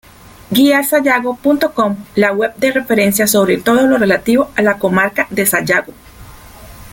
GuiaSayago.com La web de referencia sobre todo lo relativo a la comarca de Sayago